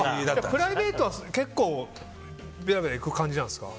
プライベートは結構べらべら行く感じなんですか。